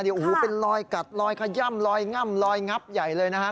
โอ้โหเป็นรอยกัดลอยขย่ำลอยง่ำลอยงับใหญ่เลยนะฮะ